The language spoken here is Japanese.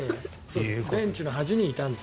ベンチの端にいたんです。